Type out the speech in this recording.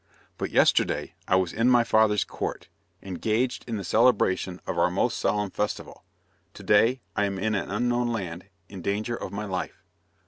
But yesterday, I was in my father's court, engaged in the celebration of our most solemn festival; to day, I am in an unknown land, in danger of my life."